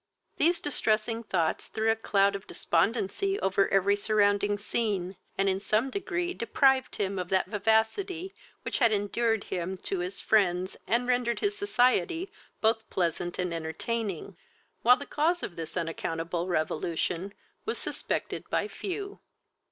These distressing thoughts threw a cloud of despondency over every surrounding scene, and in some degree deprived him of that vivacity which had endeared him to his friends, and rendered his society both pleasant and entertaining, while the cause of this unaccountable revolution was suspected but by few.